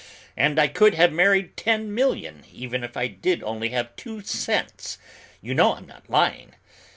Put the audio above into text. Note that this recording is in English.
And I could have married ten million, even if I did only have two cents: you know I'm not lying!